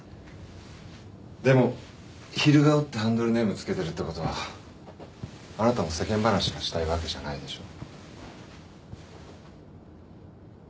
でも昼顔ってハンドルネーム付けてるってことはあなたも世間話がしたいわけじゃないでしょ？